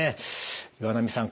岩波さん